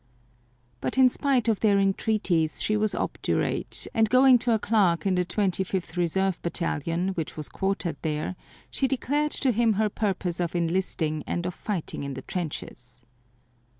But in spite of their entreaties she was obdurate, and going to a clerk in the 25th Reserve Battalion which was quartered there, she declared to him her purpose of enlisting and of fighting in the trenches.